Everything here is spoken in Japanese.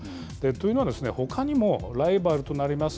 というのは、ほかにも、ライバルとなります